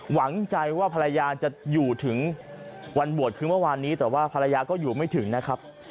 หวังใจว่าภรรยาจะอยู่ถึงวันบวชคือเมื่อวานนี้แต่ว่าภรรยาก็อยู่ไม่ถึงนะครับ